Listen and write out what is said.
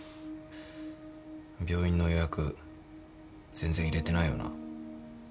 病院の予約全然入れてないよな。